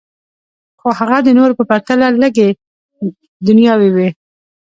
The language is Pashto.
خو هغه د نورو په پرتله لږې دنیاوي وې